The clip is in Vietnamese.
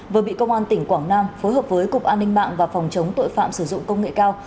vừa bị công an tỉnh quảng nam phối hợp với cục an ninh mạng và phòng chống tội phạm sử dụng công nghệ cao